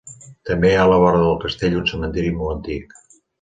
També hi ha a la vora del castell un cementiri molt antic.